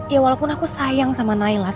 ya walaupun aku sayang sama nailas